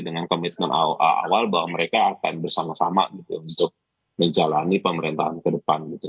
dengan komitmen awal bahwa mereka akan bersama sama untuk menjalani pemerintahan ke depan gitu